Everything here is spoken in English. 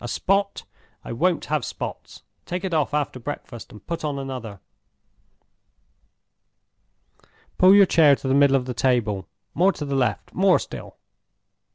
A spot? I won't have spots! Take it off after breakfast, and put on another. Pull your chair to the middle of the table—more to the left—more still.